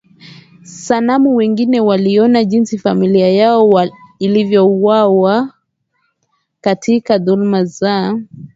sanamu Wengine waliona jinsi familia yao ilivyouawa katika dhuluma za